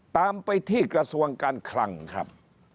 ตามไปที่กระทรวงการคลังครับ